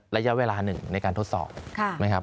ระยะเวลาหนึ่งในการทดสอบ